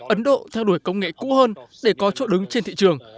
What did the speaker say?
ấn độ theo đuổi công nghệ cũ hơn để có chỗ đứng trên thị trường